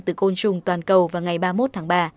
từ côn trùng toàn cầu vào ngày ba mươi một tháng ba